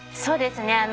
そうですね。